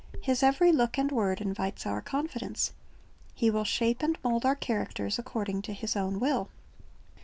His every look and word invites our confidence. He will shape and mold our characters according to His own will.